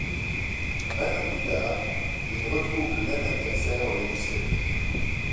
Un an plus tard, il retrouve le même adversaire aux législatives.